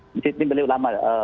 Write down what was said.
di sydney beliau lama